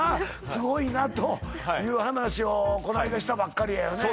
すごいなという話をこないだしたばっかりやよね